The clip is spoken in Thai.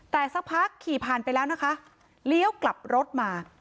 แต่สักพักขี่ผ่านไปแล้วนะคะเลี้ยวกลับรถมา